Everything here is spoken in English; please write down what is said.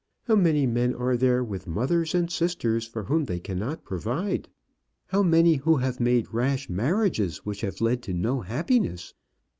How many men are there with mothers and sisters for whom they cannot provide! How many who have made rash marriages which have led to no happiness!